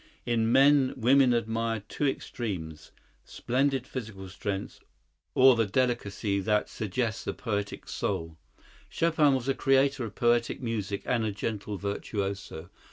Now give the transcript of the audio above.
In men women admire two extremes,—splendid physical strength, or the delicacy that suggests a poetic soul. Chopin was a creator of poetic music and a gentle virtuoso.